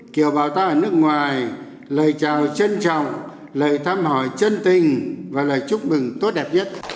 kiều bào ta ở nước ngoài lời chào trân trọng lời thăm hỏi chân tình và lời chúc mừng tốt đẹp nhất